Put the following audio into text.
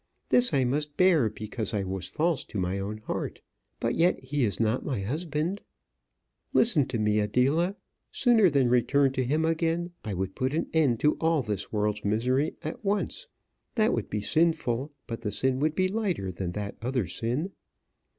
This I must bear because I was false to my own heart. But yet he is not my husband. Listen to me, Adela; sooner than return to him again, I would put an end to all this world's misery at once. That would be sinful, but the sin would be lighter than that other sin."